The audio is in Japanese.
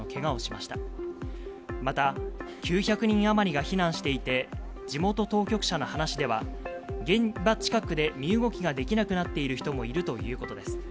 また、９００人余りが避難していて、地元当局者の話では、現場近くで身動きができなくなっている人もいるということです。